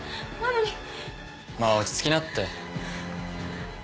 まあ落ち着きなって。